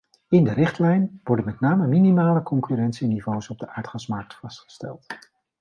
In de richtlijn worden met name minimale concurrentieniveaus op de aardgasmarkt vastgesteld.